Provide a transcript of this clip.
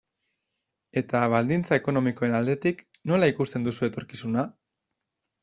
Eta baldintza ekonomikoen aldetik, nola ikusten duzu etorkizuna?